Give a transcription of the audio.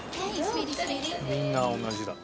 みんな同じだ。